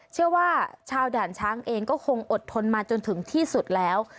เชื่อว่าชาวด่านช้างเองก็คงอดทนมาจนถึงที่สุดแล้ว